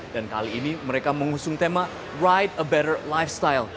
dan kali ini mereka mengusung tema ride a better lifestyle